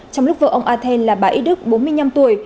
trong lúc vợ ông athen là bà ý đức bốn mươi năm tuổi